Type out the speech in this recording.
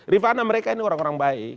rifana mereka ini orang orang baik